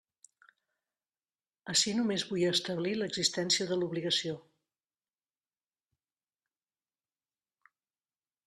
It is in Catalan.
Ací només vull establir l'existència de l'obligació.